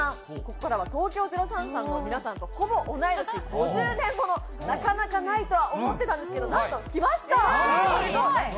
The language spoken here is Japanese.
ここからは東京０３さんの皆さんとほぼ同い年、５０年もの、なかなかないとは思ってたんですけど、なんと来ました。